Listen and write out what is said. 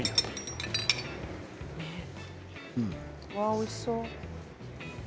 おいしそう。